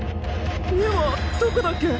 家はどこだっけ？